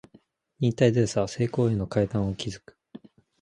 忍耐強さは成功への階段を築く